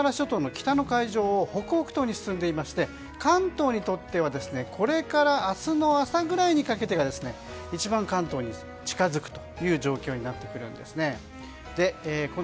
現在、小笠原諸島の北の海上を北北東に進んでいまして関東にとってはこれから明日の朝ぐらいにかけてが一番関東に近づくという状況になってくるんですね。